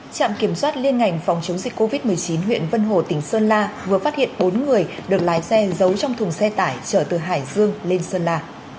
trạm kiểm soát liên ngành phòng chống dịch covid một mươi chín huyện vân hồ tỉnh sơn la vừa phát hiện bốn người được lái xe giấu trong thùng xe tải chở từ hải dương lên sơn la